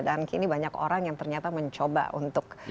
dan kini banyak orang yang ternyata mencoba untuk membuatnya